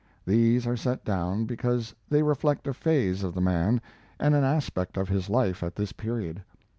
These are set down because they reflect a phase of the man and an aspect of his life at this period.